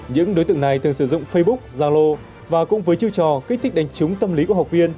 những đối tượng này thường sử dụng facebook zalo và cũng với chiêu trò kích thích đánh trúng tâm lý của học viên